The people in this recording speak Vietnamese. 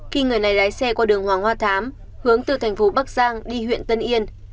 khi người này lái xe qua đường hoàng hoa thám hướng từ tp bắc giang đi huyện tân yên